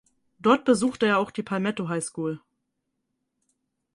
Dort besuchte er auch die Palmetto High School.